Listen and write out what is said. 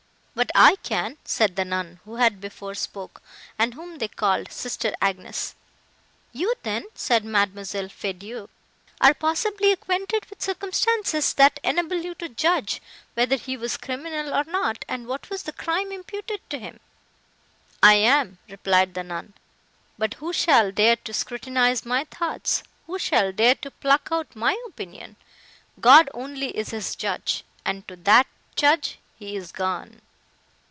"But I can," said the nun, who had before spoke, and whom they called sister Agnes. "You then," said Mademoiselle Feydeau, "are possibly acquainted with circumstances, that enable you to judge, whether he was criminal or not, and what was the crime imputed to him." "I am," replied the nun; "but who shall dare to scrutinize my thoughts—who shall dare to pluck out my opinion? God only is his judge, and to that judge he is gone!"